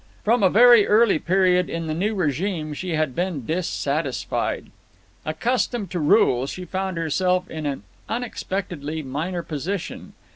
From a very early period in the new regime she had been dissatisfied. Accustomed to rule, she found herself in an unexpectedly minor position.